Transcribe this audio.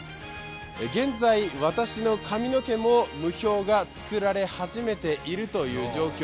現在、私の髪の毛も霧氷がつくられ始めているという状況。